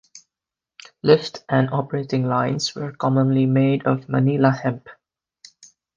Lift and operating lines were commonly made of manila hemp.